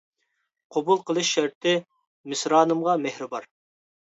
قوبۇل قىلىش شەرتى: مىسرانىمغا مېھرى بار!